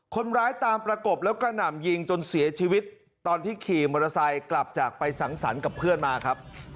คนร้ายตามประกบแล้วก็หนำยิงจนเสียชีวิตตอนที่ขี่มอเตอร์ไซค์กลับจากไปสังสรรค์กับเพื่อนมาครับ